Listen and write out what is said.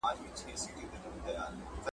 زوی یې وویل چټک نه سمه تللای !.